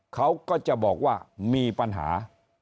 เขาก็จะบอกว่ามีปัญหา